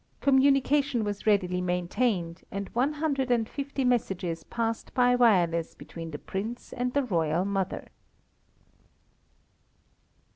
Communication was readily maintained, and one hundred and fifty messages passed by wireless between the prince and the royal mother.